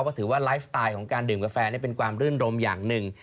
ก็ถือว่าไลฟ์สไตล์ของการดื่มกาแฟเป็นความรื่นรมอย่างหนึ่ง